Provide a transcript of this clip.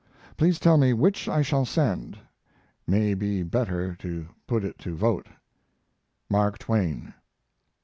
Please tell me which I shall send. May be better to put it to vote. MARK TWAIN.